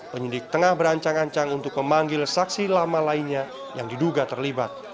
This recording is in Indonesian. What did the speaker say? penyidik tengah berancang ancang untuk memanggil saksi lama lainnya yang diduga terlibat